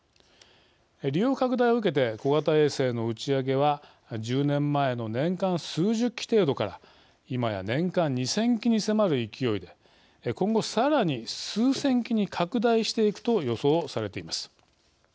利用拡大を受けて小型衛星の打ち上げは１０年前の年間数十機程度から今や年間２０００機に迫る勢いで今後さらに数千機に拡大していくと予想されています。